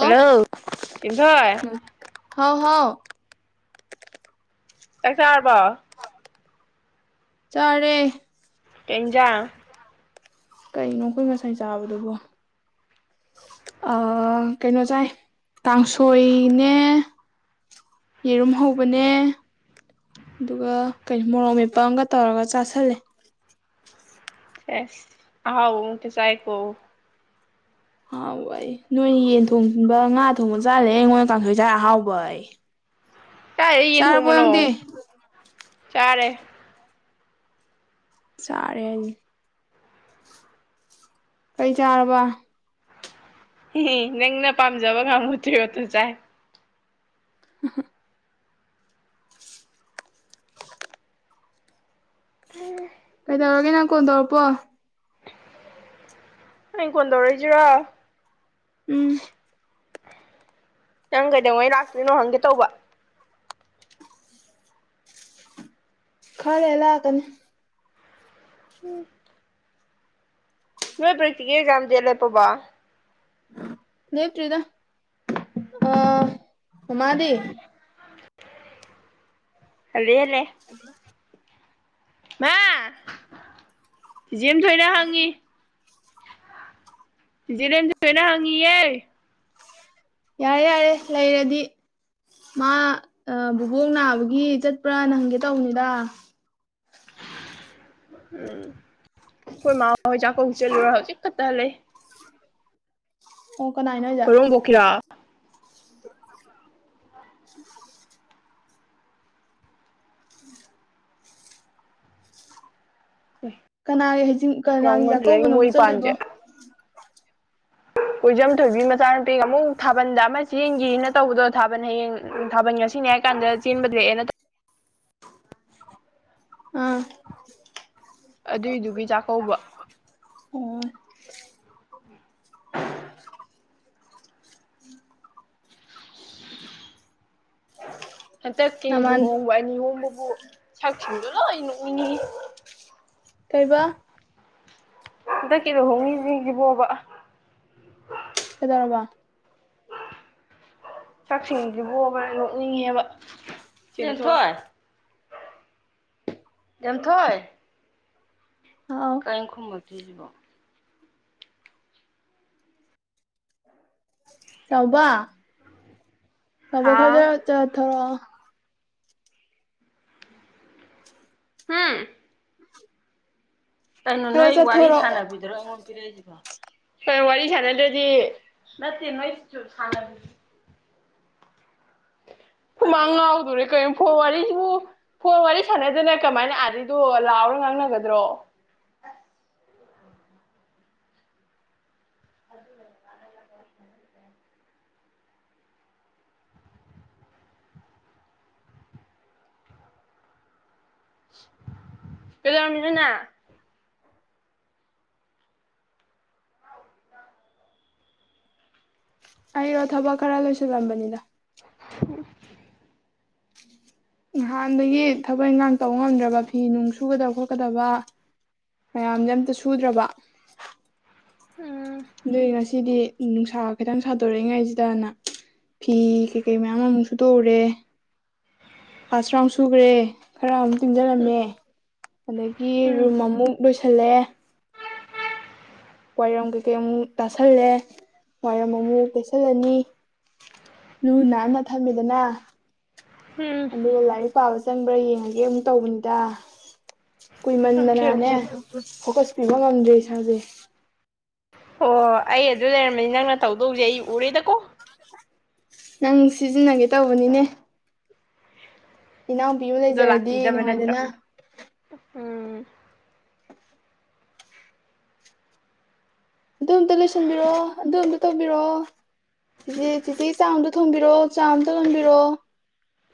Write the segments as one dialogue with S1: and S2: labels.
S1: ꯍꯂ
S2: ꯍꯜꯂꯣ ꯆꯤꯡꯊꯣꯏ
S1: ꯎ ꯍꯥꯎ ꯍꯥꯎ
S2: ꯀꯩꯁꯥꯔꯔꯕ
S1: ꯆꯔꯦ
S2: ꯀꯦꯟꯖꯥ
S1: ꯀꯩꯅꯣ ꯑꯩꯈꯣꯏ ꯉꯁꯥꯏ ꯆꯥꯕꯗꯨꯕꯣ ꯀꯩꯅꯣ ꯆꯥꯏ ꯀꯥꯡꯥꯡꯁꯣꯏꯅꯦ ꯌꯦꯔꯨꯝ ꯍꯧꯕꯅꯦ ꯑꯗꯨꯒ ꯀꯩꯅ ꯃꯣꯔꯣꯛ ꯃꯦꯄꯝ ꯑꯃꯒ ꯇꯧꯔꯒ ꯆꯥꯥꯁꯜꯂꯦ
S2: ꯑꯦꯁ ꯍꯥꯎ ꯇꯁꯥꯏꯀ
S1: ꯍꯥꯎꯕꯏ ꯅꯣꯏ ꯌꯦꯟ ꯊꯣꯡꯕ ꯉꯥ ꯊꯣꯡꯕ ꯆꯥꯂꯦ ꯑꯩꯉꯣꯟꯗ ꯀꯥꯡꯁꯣꯏ ꯁꯥꯏ ꯑꯍꯥꯎꯕ ꯑꯩ ꯎꯝ
S2: ꯆꯥꯏꯔꯦ ꯌꯦꯟ ꯊꯣꯡꯕꯅꯣ ꯆꯥꯔꯦ
S1: ꯆꯥꯔꯦꯅꯤ ꯀꯩ ꯆꯥꯔꯕ
S2: ꯅꯪꯅ ꯄꯥꯝꯖꯕ ꯉꯥꯃꯨꯗ꯭ꯔꯤ ꯃꯠꯇ ꯆꯥꯏ
S1: [unintelligible]
S2: ꯎꯝ
S1: ꯀꯩꯗꯧꯔꯒꯦ ꯅꯪ ꯀꯣꯟ ꯇꯧꯔꯛꯄꯣ
S2: ꯅꯪ ꯀꯣꯟꯗꯧꯔꯛꯏꯁꯤꯔꯣ
S1: ꯎꯝ
S2: ꯅꯪ ꯀꯩꯗꯧꯉꯩ ꯂꯥꯛꯇꯣꯏꯅꯣ ꯍꯪꯒꯦ ꯇꯧꯕ
S1: ꯈꯜꯂꯦ ꯂꯥꯛꯀꯅꯤ
S2: ꯎꯝ ꯅꯣꯏ ꯄ꯭ꯔꯦꯛꯇꯤꯛꯦꯜ ꯑꯦꯛꯖꯥꯝꯦ ꯂꯦ ꯄꯣꯕꯥ
S1: ꯅꯦꯞꯇ꯭ꯔꯤꯗ ꯑ ꯃꯥꯗꯤ
S2: ꯑꯗꯨꯗꯅꯦ
S1: ꯎ
S2: ꯃꯥ ꯁꯤꯤꯖꯦꯝ ꯊꯣꯏꯅ ꯍꯪꯉꯤ ꯖꯤꯩꯅꯗꯅ ꯍꯪꯉꯤꯑ
S1: ꯌꯥꯔꯦ ꯌꯥꯔꯦ ꯂꯩꯔꯗꯤ ꯃꯥ ꯕꯨꯕꯣꯛ ꯅꯥꯕꯒꯤ ꯆꯠꯄ꯭ꯔꯥ ꯅꯪꯒꯦ ꯇꯧꯕꯅꯤꯗ
S2: ꯎꯝ ꯑꯩꯈꯣꯏꯃꯃꯥ ꯍꯣꯏꯖꯥꯛ ꯀꯧ ꯆꯠꯂꯨꯔ ꯍꯧꯖꯤꯛ ꯈꯛꯇ ꯂꯩ
S1: ꯑꯣ ꯀꯅꯥꯅꯣ ꯑꯣꯖꯥ
S2: ꯀꯔꯌꯥ
S1: [inaudible]
S2: ꯎ
S1: ꯀꯅꯥꯒꯤ ꯍꯩꯖꯤꯡ ꯀꯅꯥꯒꯤ ꯆꯥꯛꯀꯧꯕꯅꯣꯕꯨ ꯆꯠꯂꯤꯕꯣ
S2: ꯏꯄꯥꯟꯖꯦ ꯀꯣꯏꯖꯝ ꯊꯣꯏꯕꯤ ꯃꯆꯥꯅꯨꯄꯤ ꯑꯃꯨꯛ ꯊꯥꯕꯟꯗ ꯑꯃ ꯆꯦꯟꯈꯤ ꯅ ꯇꯧꯕꯗꯣ ꯊꯥꯕꯟ ꯍꯌꯦꯡ ꯊꯥꯕꯜ ꯉꯁꯤꯅꯤ ꯍꯥꯏ ꯀꯥꯟꯗ ꯆꯦꯟꯕꯗꯨꯑꯦ
S1: ꯑꯥ
S2: ꯑꯗꯨꯏꯗꯨꯒꯤ ꯆꯥꯛꯀꯧꯕ
S1: ꯑꯣ [inaudible]
S2: ꯍꯟꯇꯛꯀꯤ
S1: ꯅꯃꯥꯟ
S2: ꯂꯨꯍꯣꯡꯕ ꯍꯥꯏ ꯂꯨꯍꯣꯡꯕꯕꯨ ꯁꯛꯁꯤꯡꯗꯣ ꯂꯣꯏ ꯅꯣꯛꯅꯤꯡꯉꯤ
S1: ꯀꯩꯕ
S2: ꯍꯟꯗꯛ ꯀꯗꯣ ꯍꯣꯡꯉꯤꯁꯤꯡꯁꯤꯕꯣꯕ
S1: ꯀꯧꯗꯧꯔꯕꯥ [inaudible]
S2: ꯆꯥꯛꯁꯤꯡꯁꯤꯕꯣꯕꯅ ꯅꯣꯛꯅꯤꯡꯉꯦꯕ ꯑꯗꯨꯝꯊꯣꯏ
S1: ꯑ
S2: ꯇ ꯈꯨꯨꯝ ꯃꯊꯖꯕ
S1: ꯆꯕꯥ ꯁꯕ
S2: ꯍꯥꯎ
S1: ꯈꯔꯗ ꯆꯊꯔ
S2: ꯍꯝ ꯀꯩꯅꯣ
S1: ꯈꯔ
S2: ꯅꯣꯏ ꯋꯥꯔꯤ
S1: ꯆꯠꯊꯣꯔꯛꯑꯣ
S2: ꯁꯥꯟꯅꯕꯤꯗ꯭ꯔꯣ ꯑꯩꯉꯣꯟꯗ ꯋꯥꯔꯤ ꯁꯥꯟꯅꯗ꯭ꯔꯗꯤ ꯅꯠꯇꯦ ꯅꯣꯏꯅ ꯍꯨꯃꯥꯡ ꯉꯥꯎꯗꯣꯔꯦ ꯀꯔꯤꯨꯝꯐꯥꯎ ꯋꯥꯔꯤꯁꯨ ꯐꯣꯟ ꯋꯥꯔꯤ ꯁꯥꯟꯅꯗꯅ ꯀꯃꯥꯏꯅ ꯑꯥꯔꯤꯗꯨꯣ ꯂꯥꯛꯑꯣꯔ ꯉꯥꯡꯅꯒꯗ꯭ꯔꯣ ꯑꯗꯨ ꯀꯂ ꯑꯃꯗꯕꯅ
S1: ꯑꯩꯔꯣ ꯊꯕꯛ ꯈꯔ ꯂꯣꯏꯁꯤꯜꯂꯝꯕꯅꯤꯗ
S2: [inaudible]
S1: ꯅꯍꯥꯟꯗꯒꯤ ꯊꯕꯛ ꯏꯪꯈꯥꯡ ꯇꯧꯕ ꯉꯝꯗ꯭ꯔꯕ ꯐꯤ ꯅꯨꯡ ꯁꯨꯒꯗꯕ ꯈꯣꯠꯀꯗꯕ ꯃꯌꯥꯝꯁ ꯑꯝꯇ ꯁꯨꯗ꯭ꯔꯕ
S2: ꯎꯝ
S1: ꯑꯗꯨꯏ ꯉꯁꯤꯗꯤ ꯅꯨꯡꯁꯥ ꯈꯤꯇꯪ ꯁꯥꯗꯣꯔꯛꯏꯉꯥꯏꯁꯤꯗꯅ ꯐꯤ ꯀꯩꯀꯩ ꯃꯌꯥꯝ ꯑꯃꯨꯛ ꯁꯨꯗꯣꯛꯎꯔꯦ ꯐꯥꯔꯁ ꯔꯥꯎꯟ ꯁꯨꯈ꯭ꯔꯦ ꯈꯔ ꯑꯃꯨ ꯇꯤꯡꯖꯔꯝꯃꯦ ꯑꯗꯒꯤ
S2: ꯎꯝ
S1: ꯔꯨꯝ ꯑꯃꯨꯛ ꯂꯣꯏꯁꯜꯂꯦ ꯋꯥꯏꯔꯝ ꯀꯩꯀꯩ ꯑꯃꯨꯛ ꯇꯥꯁꯜꯂꯦ ꯋꯥꯏꯔꯝ ꯑꯃꯨꯛ ꯇꯩꯁꯜꯂꯅꯤ ꯂꯨ ꯅꯥꯟꯅ ꯊꯝꯃꯦꯗꯅ
S2: ꯎꯝ
S1: ꯑ ꯂꯥꯏꯔꯤꯛ ꯄꯥꯕ ꯆꯪꯕ꯭ꯔꯥ ꯌꯦꯡꯉꯒꯦ ꯑꯃꯨꯛ ꯇꯧꯕꯅꯤꯗ
S2: ꯑꯣꯀꯦ
S1: ꯀꯨꯏꯃꯟꯗꯅꯅꯦ
S2: ꯑꯣꯀꯦ
S1: ꯐꯣꯀꯁ ꯄꯤꯕ ꯉꯝꯗ꯭ꯔꯦ ꯏꯁꯥꯁꯦ
S2: ꯑꯣ ꯑꯩ ꯑꯗꯨ ꯂꯩꯔꯝꯕꯅꯤ ꯅꯪꯅ ꯇꯧꯗꯧꯁꯦ ꯑꯩ ꯎꯔꯦꯗꯀꯣ
S1: ꯅꯪ ꯁꯤꯖꯤꯟꯅꯒꯦ ꯇꯧꯕꯅꯤꯅꯦ ꯏꯅꯥꯎꯄꯤ ꯑꯃ
S2: ꯑꯗꯣ
S1: ꯂꯩꯖꯔꯗꯤ
S2: ꯂꯥꯛꯄꯤꯗꯕ ꯅꯠꯇ꯭ꯔꯣ
S1: ꯅꯨꯡꯉꯥꯏꯗꯅ
S2: ꯎꯝ
S1: ꯑꯗꯨ ꯑꯝꯇ ꯂꯣꯏꯁꯟꯕꯤꯔꯑꯣ ꯑꯗꯨ ꯑꯝꯇ ꯇꯧꯕꯤꯔꯛꯑꯣ ꯁꯤꯆ ꯆꯤꯆꯤ ꯆꯥꯡꯝꯗꯣ ꯊꯣꯡꯕꯤꯔꯣ ꯆꯥꯝꯇ ꯍꯣꯟꯕꯤꯔꯣ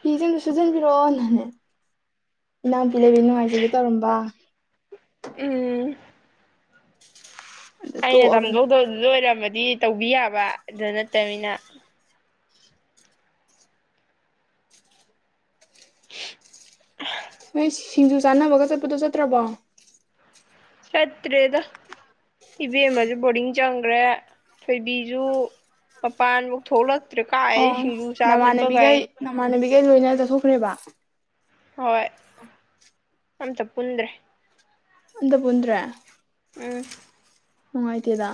S1: ꯐꯤꯁꯦꯗ ꯁꯨꯖꯟꯕꯤꯔꯛꯑꯣꯅꯅꯦ ꯏꯅꯥꯎꯄꯤ ꯂꯩꯕꯤ ꯅꯨꯡꯉꯥꯏꯖꯒꯦ ꯇꯧꯔꯝꯕ
S2: ꯎꯝ
S1: ꯑꯗ
S2: ꯑꯩꯅ
S1: ꯇꯣꯛꯑꯕꯅꯦ
S2: ꯇꯝꯗꯧꯗꯗꯨ ꯂ ꯑꯣꯏꯔꯝꯃꯗꯤ ꯇꯧꯕꯤ ꯌꯥꯕ ꯑꯗꯨ ꯅꯠꯇꯕꯅꯤꯅ
S1: ꯍꯣꯏ ꯁꯤꯡꯖꯨ ꯆꯥꯅꯕꯒ ꯆꯠꯄꯗꯣ ꯆꯠꯇ꯭ꯔꯕꯣ
S2: ꯐꯇꯔꯦꯗ ꯏꯕꯦꯝ ꯑꯃꯁꯨ ꯕꯣꯔꯗꯤꯡ ꯆꯪꯈ꯭ꯔꯦ ꯊꯣꯏꯕꯤꯁꯨ ꯃꯄꯥꯟꯕꯨ ꯊꯣꯛꯂꯛꯇ꯭ꯔꯦꯀꯥꯏ ꯑꯩ ꯁꯤꯡꯖꯨ ꯆꯥꯕ ꯆꯦꯠꯄꯒ ꯑꯩ
S1: ꯅꯃꯥꯟꯅꯕꯤꯒꯩ ꯂꯣꯏꯅ ꯆꯠꯊꯣꯛꯈ꯭ꯔꯦꯕ
S2: ꯍꯣꯏ
S1: ꯑꯣ
S2: ꯑꯝ ꯆ ꯄꯨꯨꯗ꯭ꯔꯦ
S1: ꯑꯟꯗ ꯄꯨꯟꯗ꯭ꯔꯦ
S2: ꯎꯝ
S1: ꯅꯨꯡꯉꯥꯏꯇꯦꯗ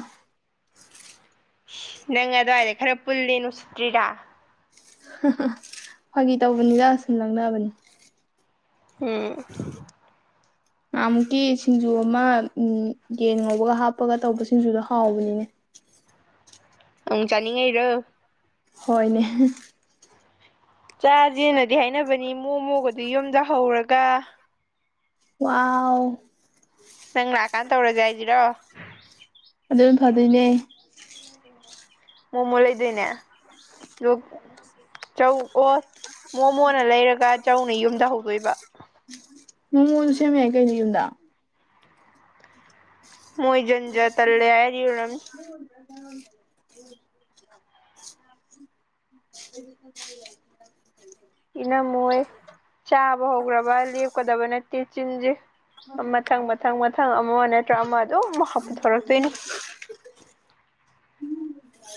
S2: ꯅꯪ ꯑꯗꯨꯋꯥꯏꯗ ꯈꯔ ꯄꯨꯜꯜꯂꯤ ꯅꯨꯡꯁꯤꯇ꯭ꯔꯤꯔꯥ
S1: ꯐꯥꯒꯤ ꯇꯧꯕꯅꯤꯗ ꯁꯨꯝ ꯂꯧꯪꯅꯕꯅꯤ
S2: ꯎꯝ
S1: [unintelligible] ꯉꯥꯃꯨꯛꯀꯤ ꯁꯤꯡꯖꯨ ꯑꯃ ꯌꯦꯟ ꯉꯧꯕꯒ ꯍꯥꯞꯄꯒ ꯇꯧꯕ ꯁꯤꯡꯖꯨꯗꯣ ꯍꯥꯎꯕꯅꯤꯅꯦ
S2: ꯑꯪ ꯆꯥꯅꯤꯡꯉꯩꯔꯣ
S1: ꯍꯣꯏꯅꯦ
S2: ꯆꯥꯁꯤꯦꯅꯗꯤ ꯍꯥꯏꯅꯕꯅꯤ ꯃꯣ ꯃꯣꯒꯗꯤ ꯌꯨꯝꯗꯍꯧꯔꯒ
S1: ꯋꯥꯎ
S2: ꯅꯪ ꯂꯥꯛꯀꯥꯟꯗ ꯇꯧꯔꯁꯦ ꯍꯥꯏꯁꯤꯔꯣ
S1: ꯑꯗꯨ ꯂꯝ ꯐꯗꯣꯏꯅꯦ
S2: ꯃꯃꯂꯗꯦꯅꯦ ꯂ ꯆꯧ ꯑꯣ ꯃꯣꯃꯣꯟꯅ ꯂꯩꯔꯒ ꯆꯧꯅ ꯌꯨꯝꯗ ꯍꯧꯗꯣꯏꯕ
S1: ꯃꯃꯣꯟꯗ ꯁꯦꯝꯃꯦꯑꯦ ꯀꯩꯅꯣ ꯌꯨꯝꯗ
S2: ꯃꯣꯏꯖꯟꯖꯥ ꯇꯂꯦ ꯑꯔꯤꯌꯨꯔꯝ
S1: [unintelligible]
S2: ꯏꯅꯝꯣꯏ ꯆꯥꯕ ꯍꯧꯈ꯭ꯔꯕ ꯂꯦꯞꯀꯗꯕ ꯅꯠꯇꯦ ꯆꯤꯟꯁꯦ ꯃꯊꯪ ꯃꯊꯪ ꯃꯊꯪ ꯑꯃ ꯅꯠꯇ꯭ꯔ ꯑꯃ ꯑꯗꯨꯝ ꯑꯃꯨꯛ ꯄꯨꯊꯣꯔꯛꯇꯣꯏꯅꯤ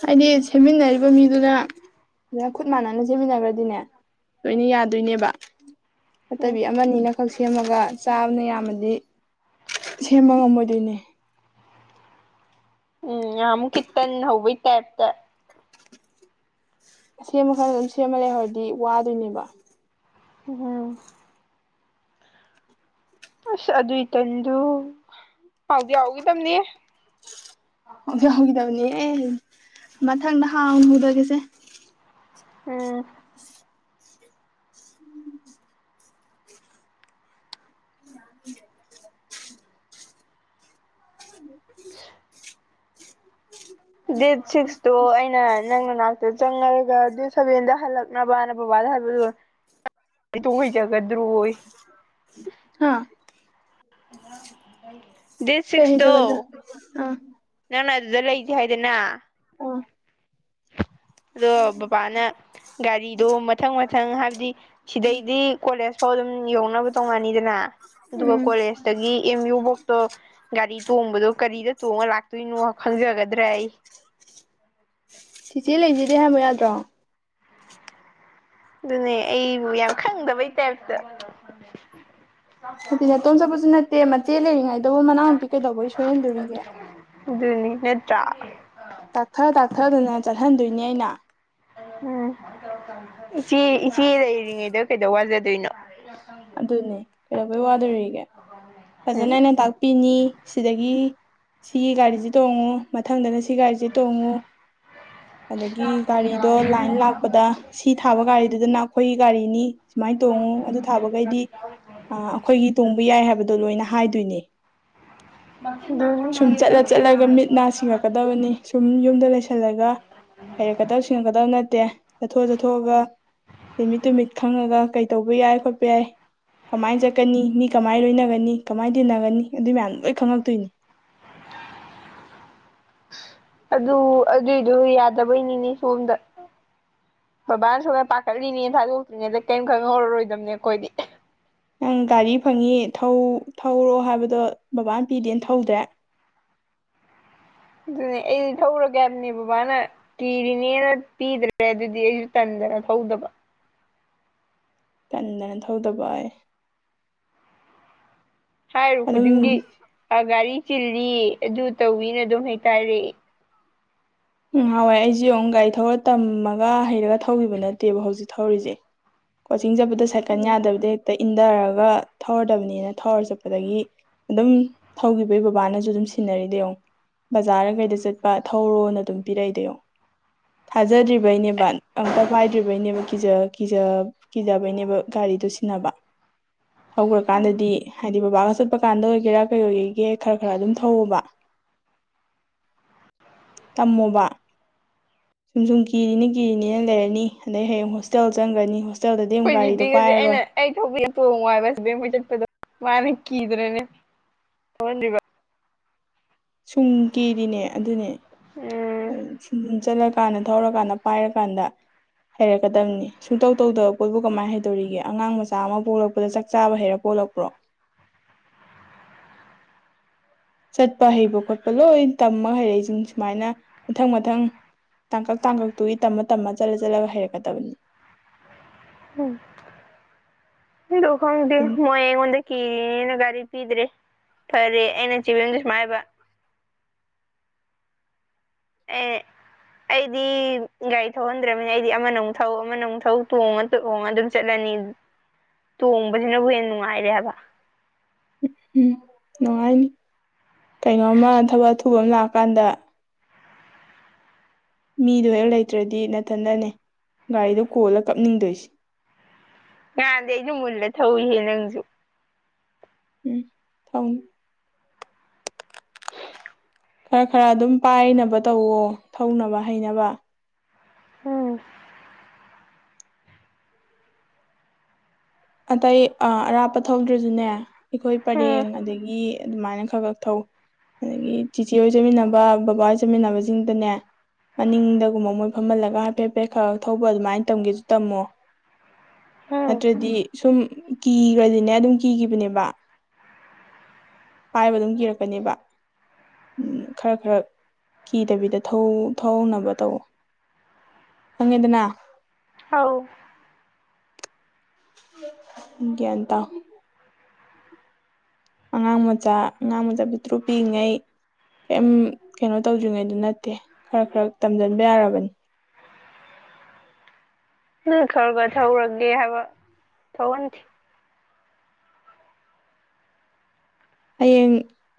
S1: ꯍꯥꯏꯗꯤ ꯁꯦꯝꯃꯤꯟꯅꯔꯤꯕ ꯃꯤꯗꯨꯗ ꯉ ꯈꯨꯠ ꯃꯥꯟꯅꯅ ꯁꯦꯝꯃꯤꯟꯅꯈ꯭ꯔꯗꯤꯅꯦ ꯂꯣꯏꯅ ꯌꯥꯗꯣꯏꯅꯦꯕ
S2: ꯎꯝ
S1: ꯅꯠꯇꯕꯤ ꯑꯃꯅꯤꯅ ꯈꯛ ꯁꯦꯝꯃꯒ ꯆꯥꯕꯅ ꯌꯥꯝ ꯑꯃꯗꯤ ꯁꯦꯝꯕ ꯉꯝꯃꯣꯏꯗꯣꯏꯅꯤ
S2: ꯎꯝ ꯑꯃꯛ ꯏꯠꯇꯅꯤ ꯍꯣꯏꯇ ꯏꯇ
S1: ꯁꯦꯝꯕ ꯈꯔ ꯑꯗꯨꯝ ꯁꯦꯝꯃ ꯂꯩ ꯍꯧꯔꯗꯤ ꯋꯥꯗꯣꯏꯅꯦꯕ
S2: ꯎꯝ ꯑꯁ ꯑꯗꯨ ꯏꯇꯟꯗꯨ ꯄꯥꯎꯗꯤ ꯌꯥꯎꯈꯤꯗꯕꯅꯦ
S1: ꯑꯣ ꯌꯥꯎꯈꯤꯗꯕꯅꯦ ꯑꯦ ꯃꯊꯪꯗ ꯍꯥꯎꯍꯨꯗꯒꯦꯁꯦ
S2: ꯎꯝ
S1: [inaudible]
S2: [unintelligible] ꯗꯦꯠ ꯁꯤꯛꯁꯇꯣ ꯑꯩꯅ ꯅꯪ ꯅꯅꯥꯛꯇ ꯆꯪꯉꯔꯒ ꯗꯦꯠ ꯁꯚꯦꯟꯗ ꯍꯜꯂꯛ ꯅꯕꯕꯥ ꯅꯕꯕꯥꯗ ꯍꯥꯏꯕ
S1: [inaudible]
S2: ꯍꯇꯣꯡ ꯍꯩꯖꯒꯗ꯭ꯔꯣꯏ
S1: ꯍꯥꯥ
S2: ꯁ
S1: ꯀꯩ
S2: ꯁꯤꯛꯁꯇꯣ
S1: ꯍꯩꯖꯒꯗ꯭ꯔꯥ ꯑꯥ
S2: ꯅꯪꯅ ꯑꯗꯨꯗ ꯂꯩꯁꯦ ꯍꯥꯏꯗꯅ
S1: ꯑꯣ
S2: ꯑꯗꯣ ꯕꯕꯥꯅ ꯒꯥꯔꯤꯗꯣ ꯃꯊꯪ ꯃꯊꯪ ꯍꯥꯏꯕꯗꯤ ꯁꯤꯗꯩꯗꯤ ꯀꯣꯂꯦꯖ ꯁ ꯑꯗꯨꯝ ꯌꯧꯅꯕ ꯇꯣꯡꯉꯥꯅꯤꯗꯅ ꯑꯗꯨꯒ
S1: ꯎꯝ
S2: ꯀꯣꯂꯦꯖꯇꯒꯤ ꯑꯦꯝ ꯌꯨꯕꯣꯛꯇꯣ ꯒꯥꯔꯤ ꯇꯣꯡꯕꯗꯣ ꯀꯔꯤꯗ ꯇꯣꯡꯉ ꯂꯥꯛꯇꯣꯏꯅꯣ ꯈꯪꯖꯒꯗ꯭ꯔꯦ ꯑꯩ
S1: ꯁꯤꯆꯦ ꯂꯩꯁꯤꯗꯦ ꯍꯥꯏꯕ ꯌꯥꯗ꯭ꯔꯣ
S2: ꯑꯗꯨꯅꯦ ꯑꯩꯕꯨ ꯌꯥꯝ ꯈꯪꯗꯕꯩ ꯇꯥꯏꯞꯇ
S1: ꯑꯗꯨꯗꯤ ꯅꯇꯣꯝ ꯆꯠꯄꯁꯨ ꯅꯠꯇꯦ ꯃꯆꯦ ꯂꯩꯔꯤꯉꯩꯗꯕꯨ ꯃꯅꯥꯎ ꯅꯨꯨꯄꯤ ꯀꯩꯗꯧꯕꯩ ꯁꯣꯏꯍꯟꯗꯣꯔꯤꯒꯦ
S2: ꯑꯗꯨꯅꯤ ꯅꯦꯠꯇ꯭ꯔ
S1: ꯇꯥꯛꯊ ꯇꯥꯛꯊꯗꯅ ꯆꯠꯍꯟꯗꯣꯏꯅꯦ ꯑꯩꯅ
S2: ꯎꯝ ꯏꯆꯦ ꯏꯆꯦ ꯂꯩꯔꯤꯉꯩꯗ ꯀꯩꯗꯧ ꯋꯥꯖꯗꯣꯏꯅꯣ
S1: ꯑꯗꯨꯅꯦ ꯀꯩꯗꯧꯕꯩ ꯋꯥꯗꯣꯔꯤꯒꯦ ꯐꯖꯅ
S2: ꯎꯝ
S1: ꯑꯩꯅꯥꯛ ꯄꯤꯅꯤ ꯁꯤꯗꯒꯤ ꯁꯤꯒꯤ ꯒꯥꯔꯤꯁꯤꯦ ꯇꯣꯡꯉꯨ ꯃꯊꯪꯗꯅ ꯁꯤ ꯒꯥꯔꯤꯁꯦ ꯇꯣꯡꯉꯨ ꯑꯗꯒꯤ ꯒꯥꯔꯤꯗꯣ ꯂꯥꯏꯟ ꯂꯥꯛ ꯊꯄꯗ ꯁꯤ ꯊꯥꯕ ꯒꯥꯔꯤꯗꯨꯗꯅ ꯑꯩꯈꯣꯏꯒꯤ ꯒꯥꯔꯤꯅꯤ ꯁꯨꯃꯥꯏꯅ ꯇꯣꯡꯉꯨ ꯑꯗꯨ ꯁꯥꯕꯈꯩꯗꯤ ꯑꯩꯈꯣꯏꯒꯤ ꯇꯣꯡꯕ ꯌꯥꯏ ꯍꯥꯏꯕꯗꯣ ꯂꯣꯏꯅ ꯍꯥꯏꯗꯣꯏꯅꯦ
S2: ꯎ
S1: ꯁꯨꯝ ꯆꯠꯂ ꯆꯠꯂꯒ ꯃꯤꯠ ꯅꯥ ꯁꯤꯡꯉꯛꯀꯗꯕꯅꯤ ꯁꯨꯝ ꯌꯨꯝꯗ ꯂꯩꯁꯜꯂꯒ ꯍꯩꯔꯛꯀꯗꯕ ꯁꯤꯡꯉꯛꯀꯗꯕ ꯅꯠꯇꯦ ꯆꯠꯊꯣꯛ ꯆꯠꯊꯣꯛꯑꯒ ꯅꯨꯃꯤꯠ ꯇꯨꯃꯤꯠ ꯈꯪꯉꯒ ꯀꯩ ꯇꯧꯕ ꯌꯥꯏ ꯈꯣꯠꯄ ꯌꯥꯏ ꯀꯃꯥꯏꯅ ꯆꯠꯀꯅꯤ ꯃꯤ ꯀꯃꯥꯏꯅ ꯂꯣꯏꯅꯒꯅꯤ ꯀꯃꯥꯏꯅ ꯇꯤꯟꯅꯒꯅꯤ ꯑꯗꯨꯏ ꯃꯌꯥꯝ ꯂꯣꯏ ꯈꯪꯉꯛꯇꯣꯏꯅꯤ
S2: ꯑꯗꯨ ꯑꯗꯨꯏꯗꯨꯣ ꯌꯥꯗꯕꯩꯅꯤꯅꯦ ꯁꯣꯝꯗ ꯕꯕꯥꯅ ꯁꯨꯅ ꯄꯥꯈꯠꯂꯤꯅꯦꯅ ꯊꯥꯗꯣꯛꯇ꯭ꯔꯤꯉꯩꯗ ꯀꯔꯤꯝ ꯈꯪꯍꯧꯔꯔꯣꯏꯗꯕꯅꯦ ꯑꯩꯈꯣꯏꯗꯤ
S1: ꯅꯪ ꯒꯥꯔꯤ ꯐꯪꯉ ꯊꯧꯔꯣꯑꯣ ꯍꯥꯏꯕꯗꯣ ꯕꯕꯥꯅ ꯄꯤꯗꯦꯅ ꯊꯧꯗ꯭ꯔꯦ
S2: ꯑꯗꯨ ꯑꯩꯗꯤ ꯊꯧꯔꯣꯒ꯭ꯕꯅꯤꯕꯕꯥꯅ ꯀꯤꯔꯤꯅꯦꯅ ꯄꯤꯗ꯭ꯔꯦ ꯑꯗꯨꯗꯤ ꯑꯩꯁꯨ ꯇꯟꯗꯅ ꯊꯧꯗꯕ
S1: ꯇꯟꯗꯅ ꯊꯧꯗꯕ ꯑꯣꯏ
S2: ꯍꯥꯏꯔꯨ
S1: ꯑꯗꯨꯝ
S2: ꯈꯨꯗꯤꯡꯗꯤ ꯒꯥꯔꯤ ꯆꯤꯜꯂꯤ ꯑꯗꯨ ꯇꯧꯋꯤꯅ ꯑꯗꯨꯝ ꯍꯦꯛꯛꯇꯔꯛꯑꯦ
S1: ꯎꯝꯍꯥꯟꯋꯥꯏ ꯑꯩꯁꯦ ꯑꯃꯉꯛ ꯒꯥꯔꯤ ꯊꯧꯔ ꯇꯝꯃꯒ ꯍꯩꯔꯒ ꯊꯧꯈꯤꯕ ꯅꯠꯇꯦꯕ ꯍꯧꯖꯤꯛ ꯊꯧꯔꯤꯁꯦ ꯀꯣꯆꯤꯡ ꯆꯠꯄꯗ ꯁꯥꯏꯀꯜ ꯌꯥꯗꯕꯗ ꯍꯦꯛꯇ ꯏꯟꯊꯔꯒ ꯊꯧꯔꯗꯕꯅꯤꯅ ꯊꯧꯔ ꯆꯠꯄꯗꯒꯤ ꯑꯗꯨꯝ ꯊꯧꯈꯤꯕꯒꯤ ꯕꯕꯥꯅꯁꯨ ꯑꯗꯨꯝ ꯁꯤꯟꯅꯔꯤ ꯌꯦꯡꯉ ꯕꯖꯥꯔ ꯀꯩꯗ ꯆꯠꯄ ꯊꯧꯔꯣꯅ ꯑꯗꯨꯝ ꯄꯤꯔꯛꯏꯗꯣ ꯊꯥꯖꯗ꯭ꯔꯤꯕꯩꯅꯦꯕ ꯑꯨꯇ ꯄꯥꯏꯗ꯭ꯔꯤꯕꯩꯅꯦꯕ ꯀꯤꯖ ꯀꯤꯖ ꯀꯤꯖꯕꯩꯅꯦꯕ ꯒꯥꯔꯤꯗꯨꯣ ꯁꯤꯟꯅꯕ ꯊꯧꯈ꯭ꯔꯀꯥꯟꯗꯗꯤ ꯍꯥꯏꯗꯤ ꯍꯥꯏꯗꯤ ꯕꯕꯥꯒ ꯆꯠꯄ ꯀꯥꯟꯗ ꯑꯣꯏꯒꯦꯔꯥ ꯀꯩ ꯑꯣꯏꯒꯒꯦ ꯈꯔ ꯈꯔ ꯑꯗꯨꯝ ꯊꯧꯕ ꯇꯝꯃꯣꯕ ꯁꯨꯝ ꯁꯨꯝ ꯀꯤꯔꯤꯅ ꯀꯤꯔꯤꯅꯤꯅ ꯂꯩꯔꯅꯤ ꯑꯗꯩ ꯍꯌꯦꯡ ꯍꯣꯁꯇꯦꯜ ꯆꯪꯈ꯭ꯔꯅꯤ ꯍ ꯆꯛꯆꯜꯗꯗꯤ
S2: ꯑꯩꯈꯣꯏ
S1: ꯑꯃꯨꯛ ꯒꯥꯔꯤꯗꯣ
S2: ꯖꯤꯄꯤꯒꯁꯦ
S1: ꯄꯥꯏꯔꯣꯏ
S2: ꯑꯩꯅ ꯑꯩ ꯊꯤꯄꯣꯅꯨꯡ ꯋꯥꯥꯏ ꯕꯁ ꯕꯦꯡꯕꯣꯏ ꯆꯠꯄꯗꯣ ꯃꯥꯅ ꯀꯤꯗ꯭ꯔꯅꯦ ꯊꯣꯛꯧꯍꯟ꯭ꯔꯤꯕ
S1: ꯁꯨꯡ ꯀꯦꯔꯤꯅꯦ ꯑꯗꯨꯅꯦ
S2: ꯎꯝ
S1: ꯁ ꯆꯠꯂꯀꯥꯟꯗ ꯊꯧꯔꯀꯥꯟꯗ ꯄꯥꯏꯔꯀꯥꯟꯗ ꯍꯩꯔꯛꯀꯗꯕꯅꯤ ꯁꯨꯡꯇꯧ ꯇꯧꯗꯕ ꯄꯣꯠꯨ ꯀꯃꯥꯏꯅ ꯍꯩꯗꯣꯔꯤꯒꯦ ꯑꯉꯥꯡ ꯃꯆꯥ ꯑꯃ ꯄꯣꯛꯂꯛꯄꯗ ꯆꯥꯛ ꯆꯥꯕ ꯍꯩꯔꯛꯄ ꯄꯣꯛꯂꯞꯄ꯭ꯔꯣ ꯆꯠꯄ ꯍꯩꯕ ꯈꯣꯠꯄ ꯂꯣꯏ ꯇꯝꯃ ꯍꯩꯔꯛꯏꯁꯤꯡ ꯁꯨꯃꯥꯏꯅ ꯃꯊꯪ ꯃꯊꯪ ꯇꯥꯡꯀꯛ ꯇꯥꯡꯀꯛꯇꯨꯒꯤ ꯇꯝꯃ ꯇꯝꯃ ꯆꯠꯂ ꯆꯠꯂꯒ ꯍꯩꯔꯛꯀꯗꯕꯅꯤ
S2: ꯎꯝ ꯍꯗ ꯈꯪꯗꯤ
S1: ꯎꯝ
S2: ꯃꯣꯏ ꯑꯩꯉꯣꯟꯗ ꯀꯤꯅ ꯒꯥꯔꯤ ꯄꯤꯗ꯭ꯔꯦ ꯐꯔꯦ ꯑꯩꯅ ꯆꯤꯕꯤꯝꯗ ꯁꯨ ꯍꯥꯏꯕ ꯑꯦ ꯑꯩꯗꯤ ꯒꯥꯔꯤ ꯊꯧꯍꯟꯗ꯭ꯔꯕꯅ ꯑꯩꯗꯤ ꯑꯃꯅ ꯊꯧ ꯑꯃꯅꯊꯧ ꯇꯣꯡꯉ ꯍꯣꯡꯉ ꯑꯗꯨꯝ ꯆꯠꯂꯅꯤ ꯇꯣꯡꯕꯁꯤꯅꯕꯨ ꯍꯦꯟꯅ ꯅꯨꯡꯉꯥꯏꯔꯦ ꯍꯥꯏꯕ
S1: ꯎꯝ ꯎꯝ ꯅꯨꯡꯉꯥꯏꯅꯤ ꯀꯩꯅꯣꯃ ꯊꯕꯛ ꯑꯊꯨꯕ ꯑꯃ ꯂꯥꯛꯑꯀꯥꯟꯗ ꯃꯤꯗꯣ ꯍꯦꯛ ꯂꯩꯇ꯭ꯔꯗꯤ ꯅꯠꯇꯅꯅꯦ ꯒꯥꯔꯤꯗꯣ ꯀꯣꯜꯂ ꯀꯞꯅꯤꯡꯗꯣꯏꯁꯤ
S2: ꯌꯥꯍꯥꯟꯗꯦ ꯑꯩꯅ ꯃꯨꯜꯂ ꯊꯧꯏꯍꯦ ꯅꯪꯁꯨ
S1: ꯎꯝ ꯊꯥꯎꯟ ꯈꯔ ꯈꯔ ꯑꯗꯨꯝ ꯄꯥꯏꯅꯕ ꯇꯧꯋꯣ ꯊꯧꯅꯕ ꯍꯩꯅꯕ
S2: ꯎꯝ
S1: ꯑꯇꯩ ꯑꯔꯥꯞꯄ ꯊꯧꯗ꯭ꯔꯁꯨꯅꯦ ꯑꯩꯈꯣꯏ
S2: ꯎꯝ
S1: ꯄꯔꯦꯡ ꯑꯗꯒꯤ ꯑꯗꯨꯃꯥꯏꯅ ꯈꯔ ꯈꯛ ꯊꯧ ꯑꯗꯒꯤ ꯆꯤꯆꯦ ꯍ ꯑꯣꯏ ꯆꯠꯃꯤꯟꯅꯕ ꯕꯕꯥ ꯍꯣꯏ ꯆꯠꯃꯤꯟꯅꯕꯁꯤꯡꯗꯅꯦ ꯃꯅꯤꯡꯗꯒꯨꯝꯕ ꯃꯣꯏ ꯐꯝꯍꯜꯂꯒ ꯍꯥꯏꯐꯦꯠ ꯍꯥꯏꯐꯦꯠ ꯈꯔ ꯊꯧꯕ ꯑꯗꯨꯃꯥꯏꯅ ꯇꯝꯒꯦꯁꯨ ꯇꯝꯃꯣ
S2: ꯎꯝ
S1: ꯅꯠꯇ꯭ꯔꯗꯤ ꯁꯨꯝ ꯀꯤꯈ꯭ꯔꯗꯤꯅꯦ ꯑꯗꯨꯝ ꯀꯤꯈꯤꯕꯅꯦꯕ ꯍꯥꯏꯕ ꯑꯗꯨꯝ ꯀꯤꯔꯛꯀꯅꯦꯕ ꯈꯔ ꯈꯔ ꯀꯤꯗꯕꯤꯗ ꯊꯍꯧꯅꯕ ꯇꯧ ꯈꯪꯉꯦꯗꯅ
S2: ꯍꯥꯎ
S1: ꯒꯌ꯭ꯥꯟ ꯇꯧ ꯑꯉꯥꯡ ꯃꯆꯥ ꯑꯉꯥꯡ ꯃꯆꯥ ꯄꯤꯇ꯭ꯔꯨꯛ ꯄꯤꯉꯩ ꯀꯩꯝ ꯀꯩꯅꯣ ꯇꯧꯗ꯭ꯔꯤꯉꯩꯗ ꯅꯠꯇꯦ ꯈꯔ ꯈꯔ ꯇꯝꯁꯤꯟꯕ ꯌꯥꯔꯕꯅꯤ
S2: ꯅꯪ ꯈꯔ ꯈꯔ ꯊꯧꯔꯒꯦ ꯍꯥꯏꯕ ꯊꯧꯍꯟꯦ
S1: ꯍꯌꯦꯡ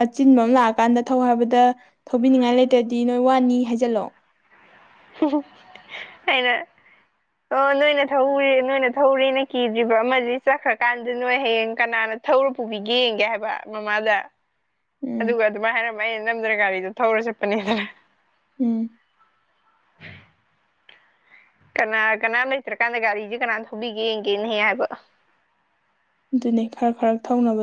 S1: ꯑꯆꯤꯟꯕ ꯑꯃ ꯂꯥꯛꯑꯀꯥꯟꯗ ꯊꯧ ꯍꯥꯏꯕꯗ ꯊꯧꯕꯤꯅꯤꯡꯉꯥꯏ ꯂꯩꯇ꯭ꯔꯗꯤ ꯅꯣꯏ ꯋꯥꯅꯤ ꯍꯥꯏꯖꯜꯂꯛꯑꯣ
S2: ꯑꯏꯅ ꯑꯣ ꯅꯣꯏꯅ ꯊꯧꯔꯦ ꯅꯣꯏꯅ ꯊꯧꯔꯦꯅ ꯀꯤꯗ꯭ꯔꯤꯕ ꯑꯃꯗꯤꯁꯤ ꯆꯠꯈ꯭ꯔꯀꯥꯟꯗ ꯅꯣꯏ ꯍꯌꯦꯡ ꯀꯅꯥꯅ ꯊꯧꯔ ꯄꯨꯕꯤ ꯌꯦꯡꯒꯦ ꯍꯥꯏꯕ ꯃꯃꯥꯗ
S1: ꯎꯝ
S2: ꯑꯗꯨꯒ ꯑꯗꯨꯝꯥꯏ ꯍꯥꯏꯔꯝꯃ ꯑꯩꯅ ꯅꯝꯗꯨꯅ ꯒꯥꯔꯤꯗꯣ ꯊꯧꯔ ꯆꯠꯄꯅꯤꯗꯅ
S1: ꯎꯝ
S2: ꯀꯅꯥ ꯀꯅꯥ ꯂꯩꯇ꯭ꯔꯀꯥꯟꯗ ꯒꯥꯔꯤꯁꯦ ꯀꯅꯥ ꯊꯧꯕꯤꯒꯦ ꯌꯦꯡꯒꯦꯅ ꯍꯥꯏꯕ
S1: ꯑꯗꯨꯅꯦ ꯈꯔ ꯈꯔ ꯊꯧꯅꯕꯗꯣ